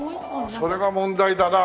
それが問題だな